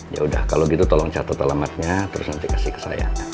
ya udah kalau gitu tolong catat alamatnya terus nanti kasih ke saya